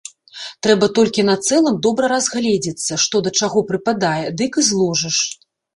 Трэба толькі на цэлым добра разгледзецца, што да чаго прыпадае, дык і зложыш.